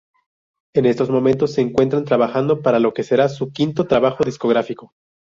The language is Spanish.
En estos momentos se encuentran trabajando para lo que será su quinto trabajo discográfico.